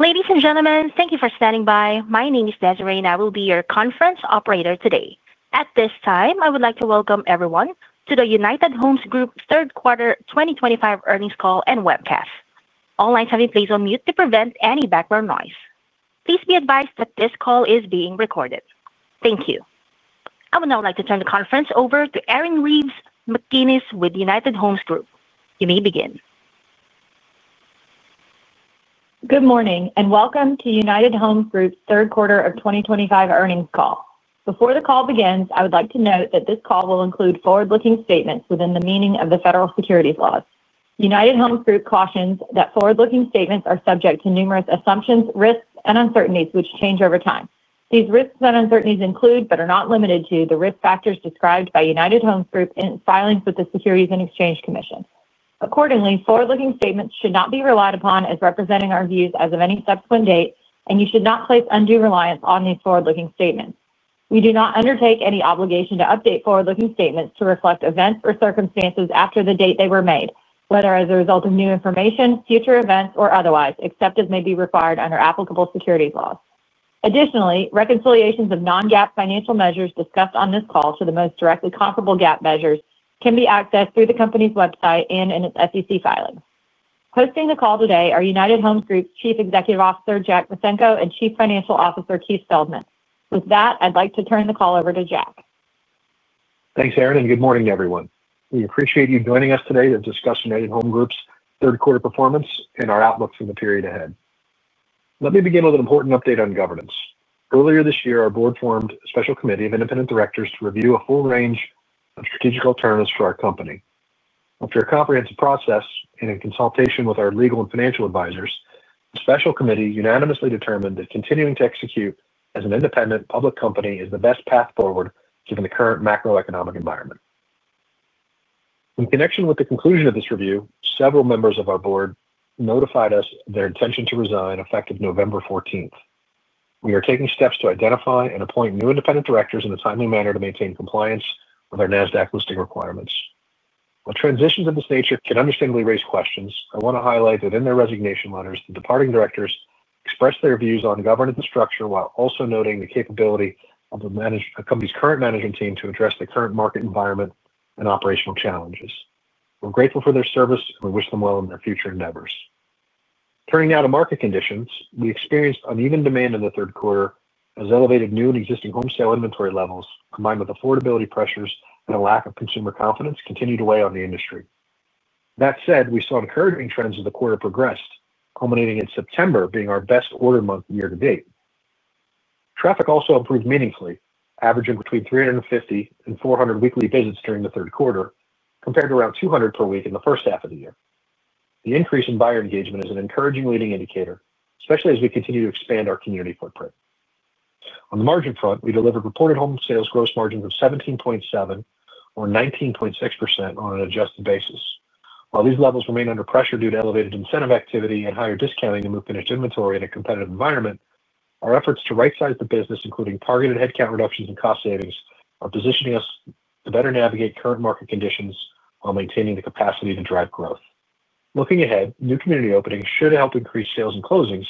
Ladies and gentlemen, thank you for standing by. My name is Desiree, and I will be your conference operator today. At this time, I would like to welcome everyone to the United Homes Group Third Quarter 2025 earnings call and webcast. All lines have been placed on mute to prevent any background noise. Please be advised that this call is being recorded. Thank you. I would now like to turn the conference over to Erin Reeves McGinnis with United Homes Group. You may begin. Good morning and welcome to United Homes Group Third Quarter of 2025 earnings call. Before the call begins, I would like to note that this call will include forward-looking statements within the meaning of the federal securities laws. United Homes Group cautions that forward-looking statements are subject to numerous assumptions, risks, and uncertainties which change over time. These risks and uncertainties include, but are not limited to, the risk factors described by United Homes Group in its filings with the Securities and Exchange Commission. Accordingly, forward-looking statements should not be relied upon as representing our views as of any subsequent date, and you should not place undue reliance on these forward-looking statements. We do not undertake any obligation to update forward-looking statements to reflect events or circumstances after the date they were made, whether as a result of new information, future events, or otherwise, except as may be required under applicable securities laws. Additionally, reconciliations of non-GAAP financial measures discussed on this call to the most directly comparable GAAP measures can be accessed through the company's website and in its SEC filings. Hosting the call today are United Homes Group's Chief Executive Officer, Jack Micenko, and Chief Financial Officer, Keith Feldman. With that, I'd like to turn the call over to Jack. Thanks, Erin, and good morning to everyone. We appreciate you joining us today to discuss United Homes Group's third quarter performance and our outlooks for the period ahead. Let me begin with an important update on governance. Earlier this year, our board formed a special committee of independent directors to review a full range of strategic alternatives for our company. After a comprehensive process and in consultation with our legal and financial advisors, the special committee unanimously determined that continuing to execute as an independent public company is the best path forward given the current macroeconomic environment. In connection with the conclusion of this review, several members of our board notified us of their intention to resign effective November 14th. We are taking steps to identify and appoint new independent directors in a timely manner to maintain compliance with our Nasdaq listing requirements. While transitions of this nature can understandably raise questions, I want to highlight that in their resignation letters, the departing directors expressed their views on governance and structure while also noting the capability of the company's current management team to address the current market environment and operational challenges. We're grateful for their service, and we wish them well in their future endeavors. Turning now to market conditions, we experienced uneven demand in the third quarter as elevated new and existing home sale inventory levels, combined with affordability pressures and a lack of consumer confidence, continued to weigh on the industry. That said, we saw encouraging trends as the quarter progressed, culminating in September being our best order month year-to-date. Traffic also improved meaningfully, averaging between 350-400 weekly visits during the third quarter, compared to around 200 per week in the first half of the year. The increase in buyer engagement is an encouraging leading indicator, especially as we continue to expand our community footprint. On the margin front, we delivered reported home sales gross margins of 17.7% or 19.6% on an adjusted basis. While these levels remain under pressure due to elevated incentive activity and higher discounting of new finished inventory in a competitive environment, our efforts to right-size the business, including targeted headcount reductions and cost savings, are positioning us to better navigate current market conditions while maintaining the capacity to drive growth. Looking ahead, new community openings should help increase sales and closings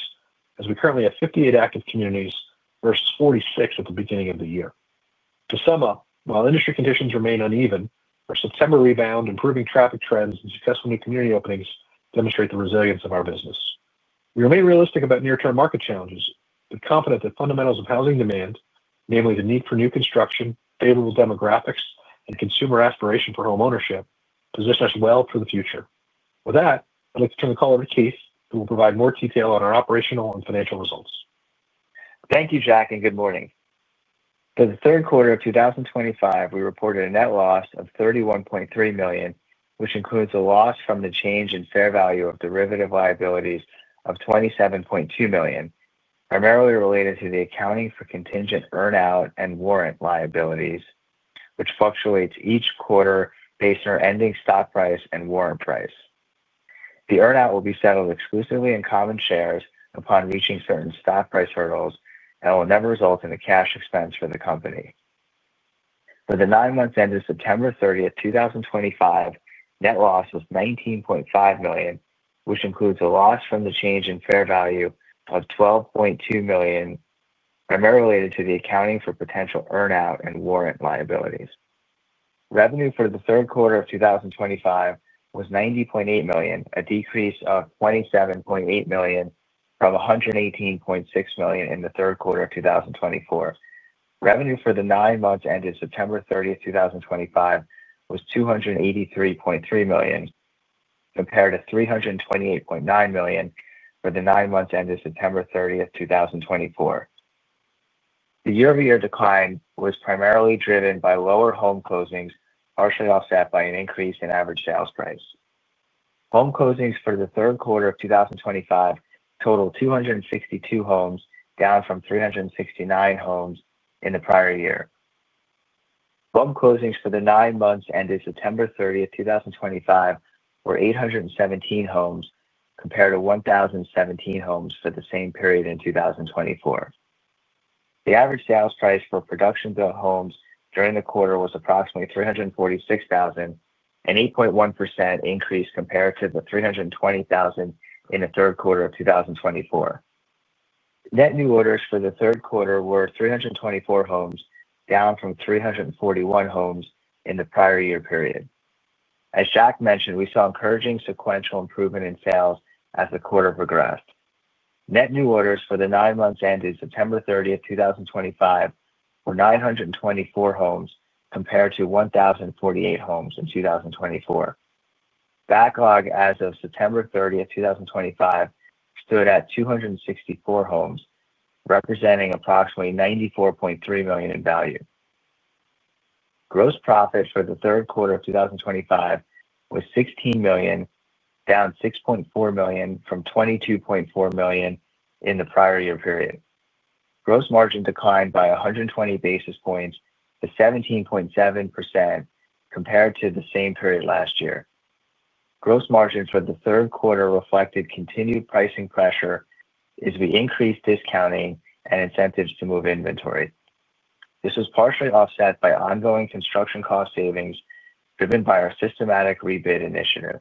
as we currently have 58 active communities versus 46 at the beginning of the year. To sum up, while industry conditions remain uneven, our September rebound, improving traffic trends, and successful new community openings demonstrate the resilience of our business. We remain realistic about near-term market challenges, but confident that fundamentals of housing demand, namely the need for new construction, favorable demographics, and consumer aspiration for home ownership, position us well for the future. With that, I'd like to turn the call over to Keith, who will provide more detail on our operational and financial results. Thank you, Jack, and good morning. For the third quarter of 2025, we reported a net loss of $31.3 million, which includes a loss from the change in fair value of derivative liabilities of $27.2 million, primarily related to the accounting for contingent earn-out and warrant liabilities, which fluctuates each quarter based on our ending stock price and warrant price. The earn-out will be settled exclusively in common shares upon reaching certain stock price hurdles and will never result in a cash expense for the company. For the nine months ending September 30, 2025, net loss was $19.5 million, which includes a loss from the change in fair value of $12.2 million, primarily related to the accounting for potential earn-out and warrant liabilities. Revenue for the third quarter of 2025 was $90.8 million, a decrease of $27.8 million from $118.6 million in the third quarter of 2024. Revenue for the nine months ending September 30, 2025, was $283.3 million, compared to $328.9 million for the nine months ending September 30th, 2024. The year-over-year decline was primarily driven by lower home closings, partially offset by an increase in average sales price. Home closings for the third quarter of 2025 totaled 262 homes, down from 369 homes in the prior year. Home closings for the nine months ending September 30th, 2025, were 817 homes, compared to 1,017 homes for the same period in 2024. The average sales price for production-built homes during the quarter was approximately $346,000, an 8.1% increase compared to the $320,000 in the third quarter of 2024. Net new orders for the third quarter were 324 homes, down from 341 homes in the prior year period. As Jack mentioned, we saw encouraging sequential improvement in sales as the quarter progressed. Net new orders for the nine months ending September 30th, 2025, were 924 homes, compared to 1,048 homes in 2024. Backlog as of September 30th, 2025, stood at 264 homes, representing approximately $94.3 million in value. Gross profit for the third quarter of 2025 was $16 million, down $6.4 million from $22.4 million in the prior year period. Gross margin declined by 120 basis points to 17.7% compared to the same period last year. Gross margin for the third quarter reflected continued pricing pressure as we increased discounting and incentives to move inventory. This was partially offset by ongoing construction cost savings driven by our systematic rebid initiative.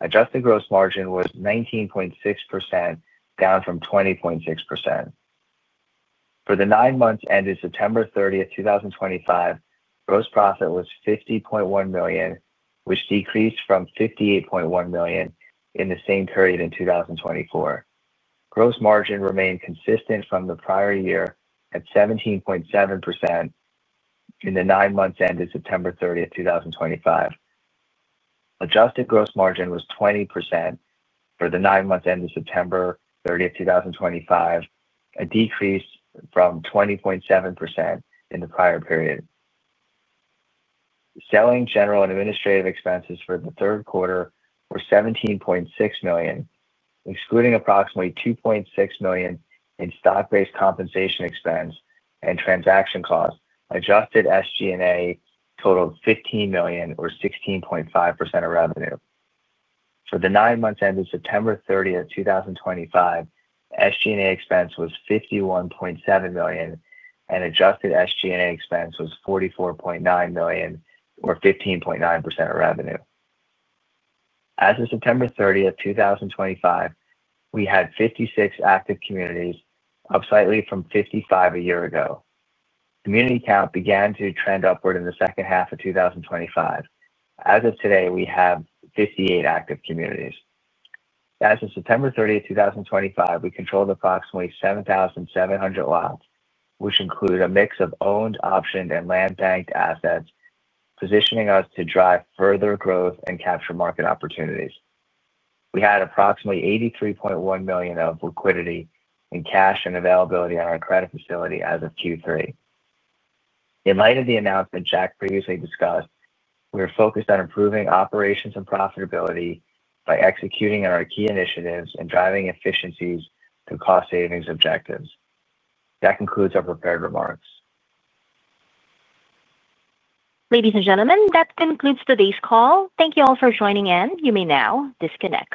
Adjusted gross margin was 19.6%, down from 20.6%. For the nine months ending September 30th, 2025, gross profit was $50.1 million, which decreased from $58.1 million in the same period in 2024. Gross margin remained consistent from the prior year at 17.7%. In the nine months ending September 30, 2025. Adjusted gross margin was 20% for the nine months ending September 30th, 2025, a decrease from 20.7% in the prior period. Selling, general, and administrative expenses for the third quarter were $17.6 million, excluding approximately $2.6 million in stock-based compensation expense and transaction costs. Adjusted SG&A totaled $15 million, or 16.5% of revenue. For the nine months ending September 30th, 2025, SG&A expense was $51.7 million, and adjusted SG&A expense was $44.9 million, or 15.9% of revenue. As of September 30, 2025, we had 56 active communities, up slightly from 55 a year ago. Community count began to trend upward in the second half of 2025. As of today, we have 58 active communities. As of September 30th, 2025, we controlled approximately 7,700 lots, which include a mix of owned, optioned, and land banked assets, positioning us to drive further growth and capture market opportunities. We had approximately $83.1 million of liquidity in cash and availability on our credit facility as of Q3. In light of the announcement Jack previously discussed, we are focused on improving operations and profitability by executing on our key initiatives and driving efficiencies through cost savings objectives. That concludes our prepared remarks. Ladies and gentlemen, that concludes today's call. Thank you all for joining in. You may now disconnect.